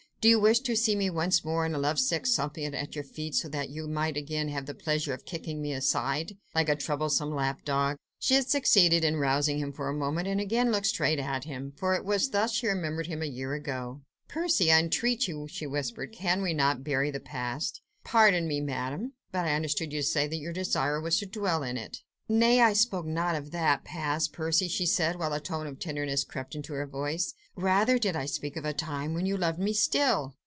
Do you wish to see me once more a love sick suppliant at your feet, so that you might again have the pleasure of kicking me aside, like a troublesome lap dog?" She had succeeded in rousing him for the moment: and again she looked straight at him, for it was thus she remembered him a year ago. "Percy! I entreat you!" she whispered, "can we not bury the past?" "Pardon me, Madame, but I understood you to say that your desire was to dwell in it." "Nay! I spoke not of that past, Percy!" she said, while a tone of tenderness crept into her voice. "Rather did I speak of the time when you loved me still!